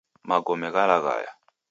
Magome ghalaghaya